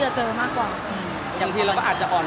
หมายถึงว่าความดังของผมแล้วทำให้เพื่อนมีผลกระทบอย่างนี้หรอค่ะ